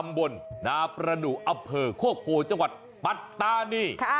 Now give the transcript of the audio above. เขาจัดขึ้นที่บ้านควรประตำบลนาปรนุอัพเผอร์โคโภจังหวัดปัตตานี